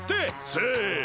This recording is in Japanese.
せの！